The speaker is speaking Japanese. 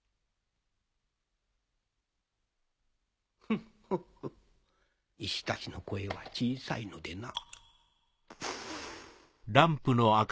ホッホッホッ石たちの声は小さいのでな。